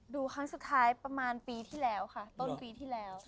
ครั้งสุดท้ายประมาณปีที่แล้วค่ะต้นปีที่แล้ว